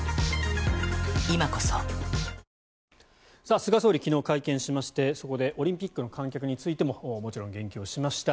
菅総理、昨日会見しましてそこでオリンピックの観客についてももちろん言及しました。